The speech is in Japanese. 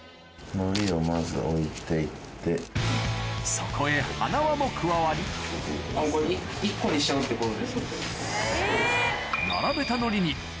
そこへはなわも加わり・これ１個にしちゃうってこと？